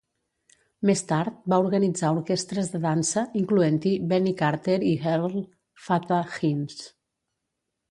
Més tard va organitzar orquestres de dansa, incloent-hi Benny Carter i Earl "Fatha" Hines.